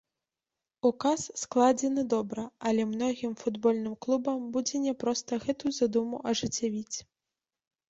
Указ складзены добра, але многім футбольным клубам будзе няпроста гэту задуму ажыццявіць.